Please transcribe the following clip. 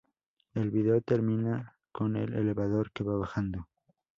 El vídeo termina con el elevador que va bajando.